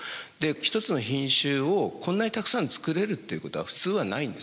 一つの品種をこんなにたくさん作れるっていうことは普通はないんです。